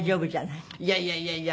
いやいやいやいや。